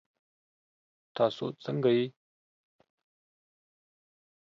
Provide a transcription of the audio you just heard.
تاسو ځنګه يئ؟